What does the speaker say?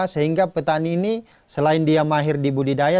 sehingga petani ini selain dia mahir di budidaya